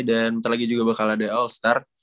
dan nanti lagi juga bakal ada all star